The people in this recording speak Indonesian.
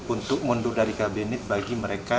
untuk mundur dari kabinet bagi mereka